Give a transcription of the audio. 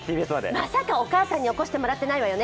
まさかお母さんに起こしてもらっていないわよね？